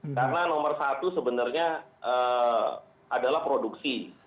karena nomor satu sebenarnya adalah produksi